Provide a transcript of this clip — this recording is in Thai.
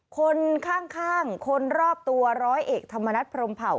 คนข้างคนรอบตัวร้อยเอกธรรมนัฐพรมเผ่า